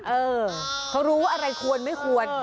เออเขารู้ว่าอะไรควรไม่ควร